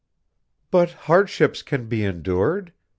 "But hardships can be endured.